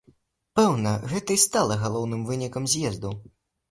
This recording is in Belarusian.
Пэўна, гэта і стала галоўным вынікам з'езду.